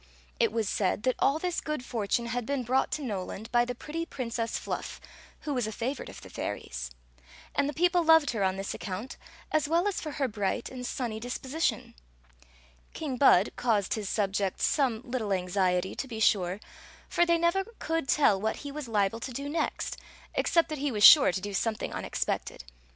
It was said that all this good fortune had been brought to Noland by the pretty Priflcess Fluff, who was a favorite of the fairies; and the people loved her on this account as well as for her bright and sunny disposition. King Bud caused his subjects scwne littk smxiety. 2o6 Queen Zixi of Ix ; or, the to be sure; for they never could tell what he was liable to do ne^t, except that he was sure to do some THE GREAT BALL STRl'CK THR FIBI.D NKAR THKM." thing unexpected.